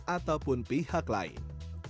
ataupun pihak lain